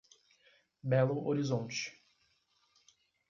Belo Horizonte